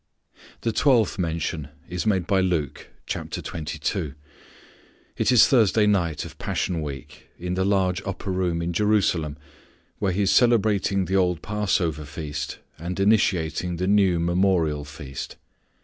The twelfth mention is made by Luke, chapter twenty two. It is Thursday night of Passion week, in the large upper room in Jerusalem where He is celebrating the old Passover feast, and initiating the new memorial feast.